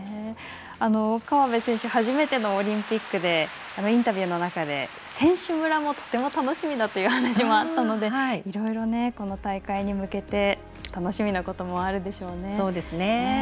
河辺選手は初めてのオリンピックでインタビューの中で選手村もとても楽しみだというお話もあったのでいろいろこの大会に向けて楽しみなこともあるでしょうね。